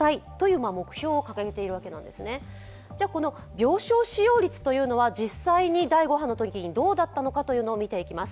病床使用率というのは実際に第５波のときにどうだったのかというのを見ていきます。